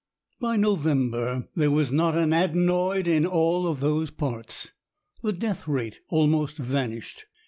By November there was not an adenoid in all those parts. The death rate almost vanished.